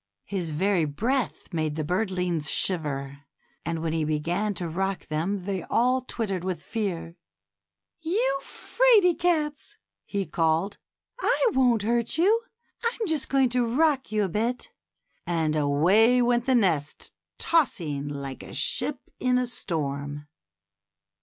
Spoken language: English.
His very breath made the birdlings shiver, and when he began to rock them they all twittered with fear. You little 'fraid cats," he cried. I won't hurt you; I'm just going to rock you a bit;" and away went the nest, tossing like a ship in a storm.